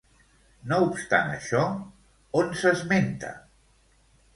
No obstant això, on s'esmenta?